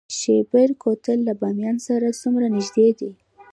شیبر کوتل له بامیان سره څومره نږدې دی؟